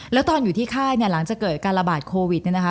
แล้วตอนอยู่ที่ค่ายเนี่ยหลังจากเกิดการระบาดโควิดเนี่ยนะคะ